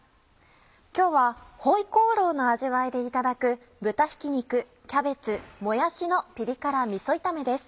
今日は回鍋肉の味わいでいただく「豚ひき肉キャベツもやしのピリ辛みそ炒め」です。